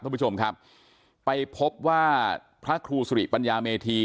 ท่านผู้ชมครับไปพบว่าพระครูสุริปัญญาเมธี